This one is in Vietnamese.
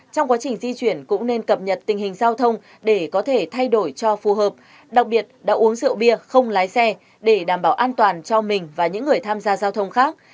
trong quá trình di chuyển cũng nên cập nhật tình hình giao thông để có thể thay đổi cho phù hợp đặc biệt đã uống rượu bia không lái xe để đảm bảo an toàn cho mình và những người tham gia giao thông khác